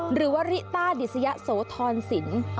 หรือว่าริต้าดิสยะโสธรสิน